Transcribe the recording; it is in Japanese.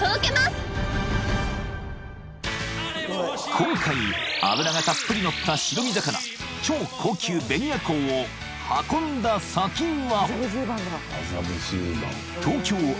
［今回脂がたっぷり乗った白身魚超高級ベニアコウを運んだ先は］